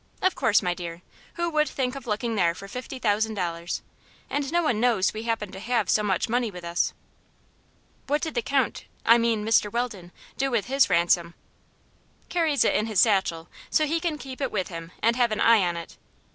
"Of course, my dear. Who would think of looking there for fifty thousand dollars? And no one knows we happen to have so much money with us." "What did the Count I mean, Mr. Weldon do with his ransom?" "Carries it in his satchel, so he can keep it with him and have an eye on it.